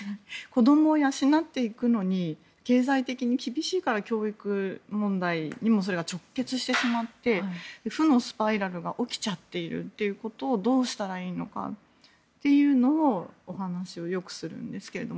子供を養っていくのに経済的に厳しいから教育問題にもそれが直結してしまって負のスパイラルが起きちゃっているということをどうしたらいいのかっていうお話をよくするんですけど。